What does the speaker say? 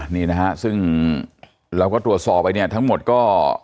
นี่นะฮะซึ่งเราก็ตรวจสอบไปเนี่ยทั้งหมดก็